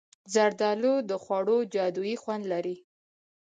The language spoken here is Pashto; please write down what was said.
زردالو د خوړو جادويي خوند لري.